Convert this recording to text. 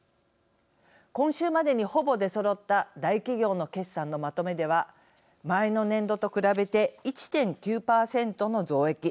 今週までに、ほぼ出そろった大企業の決算のまとめでは前の年度と比べて１．９％の増益。